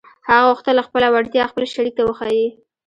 هغه غوښتل خپله وړتيا خپل شريک ته وښيي.